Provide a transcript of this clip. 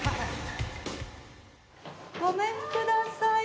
ごめんくださいませ。